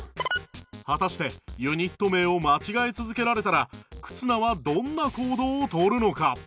果たしてユニット名を間違え続けられたら忽那はどんな行動を取るのか？